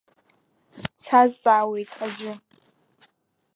Дсазҵаауеит аӡәы.